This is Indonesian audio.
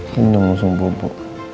kenyang sumpah pa